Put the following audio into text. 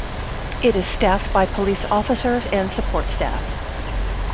It is staffed by police officers and support staff.